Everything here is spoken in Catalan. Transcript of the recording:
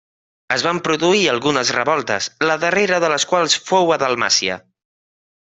Es van produir algunes revoltes, la darrera de les quals fou a Dalmàcia.